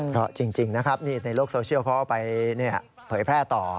เพราะเล่นในโลกโซเชียลเขาเอาไปเผยแพร่ต่อ